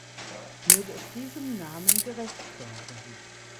Möge es diesem Namen gerecht werden.